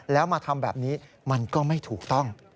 แล้วมาทำแบบนี้มันก็ไม่ถูกต้อง